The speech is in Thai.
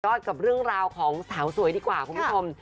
กับเรื่องราวของสาวสวยดีกว่าคุณผู้ชม